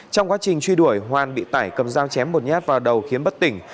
trong quá trình truy đuổi hoàn bị tải cầm dao chém một nhát vào đầu khiến bất tỉnh